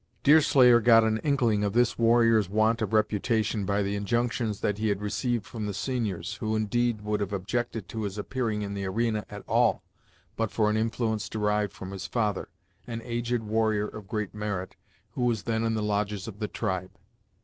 Deerslayer got an inkling of this warrior's want of reputation by the injunctions that he had received from the seniors, who, indeed, would have objected to his appearing in the arena, at all, but for an influence derived from his father; an aged warrior of great merit, who was then in the lodges of the tribe.